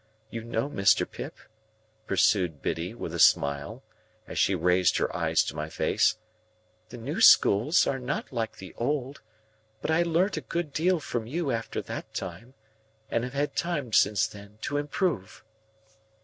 You know, Mr. Pip," pursued Biddy, with a smile, as she raised her eyes to my face, "the new schools are not like the old, but I learnt a good deal from you after that time, and have had time since then to improve."